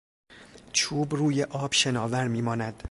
چوب روی آب شناور میماند.